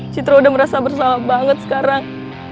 citra udah merasa bersalah banget sekarang